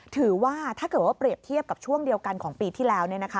ถือว่าถ้าเกิดว่าเปรียบเทียบกับช่วงเดียวกันของปีที่แล้ว